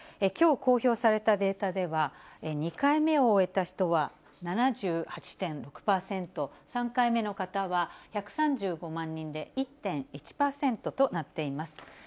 きょう公表されたデータでは、２回目を終えた人は７８．６％、３回目の方は１３５万人で１．１％となっています。